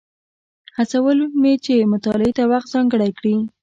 هڅول مې چې مطالعې ته وخت ځانګړی کړي.